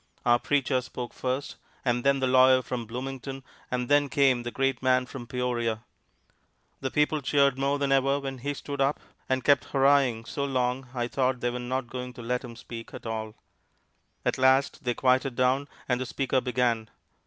Our preacher spoke first, and then the lawyer from Bloomington, and then came the great man from Peoria. The people cheered more than ever when he stood up, and kept hurrahing so long I thought they were not going to let him speak at all. At last they quieted down, and the speaker began.